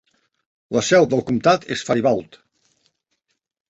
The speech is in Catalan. La seu del comtat és Faribault.